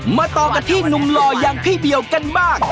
มาต่อกันที่หนุ่มหล่ออย่างพี่เบียวกันบ้าง